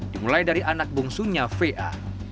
dimulai dari anak bungsunya va